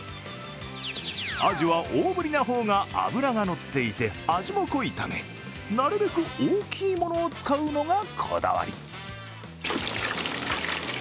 アジは大ぶりな方が脂がのっていて味も濃いためなるべく大きいものを使うのがこだわり。